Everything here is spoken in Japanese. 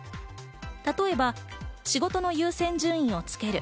例えば仕事の優先順位をつける。